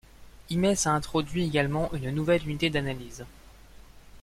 Hymes a introduit également une nouvelle unité d'analyse.